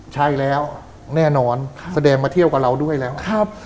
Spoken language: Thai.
ใช่แล้วแน่นอนแสดงมาเที่ยวกับเราด้วยแล้วครับ